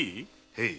へい。